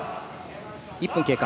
１分経過。